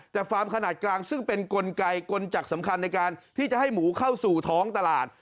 แต่ฟาร์มขนาดกลางซึ่งเป็นกลไกกลจักรสำคัญในการที่จะให้หมูเข้าสู่ท้องตลาด